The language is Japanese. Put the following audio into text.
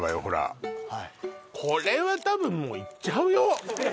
ほらこれは多分もういっちゃうよ？